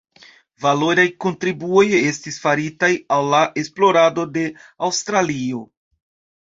Valoraj kontribuoj estis faritaj al la esplorado de Aŭstralio.